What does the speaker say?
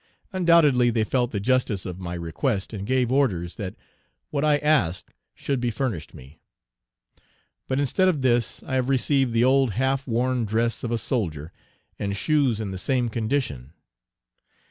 Undoubtedly, they felt the justice of my request, and gave orders that what I asked should be furnished me. But, instead of this, I have received the old half worn dress of a soldier, and shoes in the same condition.